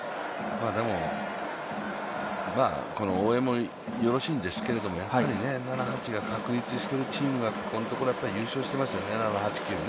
大江もよろしいんですけれども、やっぱり７、８、９が確立しているチームがここのところ優勝してますよね。